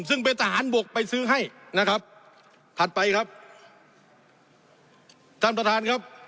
ซึ่งเป็นทหารบกไปซื้อให้นะครับถัดไปครับท่านประธานครับ